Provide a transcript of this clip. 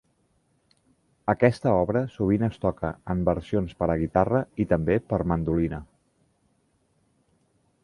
Aquesta obra sovint es toca en versions per a guitarra i també per mandolina.